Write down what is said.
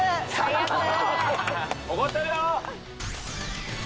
怒ってるよ。